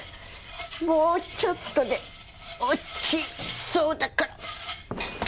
もうちょっとで落ちそうだから。